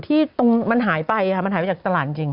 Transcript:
นี่ฉันว่ามันหายไปจากตลาดจริง